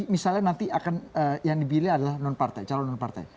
misalnya nanti yang akan dibilih adalah calon non partai